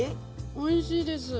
おいしいです。